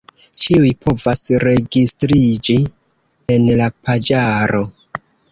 Ĉiuj povas registriĝi en la paĝaro.